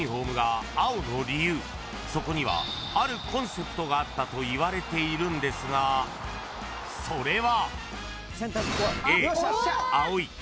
そこにはあるコンセプトがあったといわれているんですがそれは］